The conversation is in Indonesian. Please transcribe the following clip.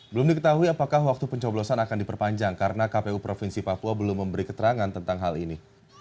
belum diketahui apakah waktu pencoblosan akan diperpanjang karena kpu provinsi papua belum memberi keterangan tentang hal ini